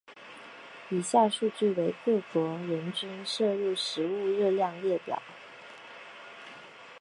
以下数据为各国人均摄入食物热量列表。